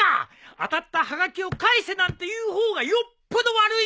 当たったはがきを返せなんて言う方がよっぽど悪いぞ！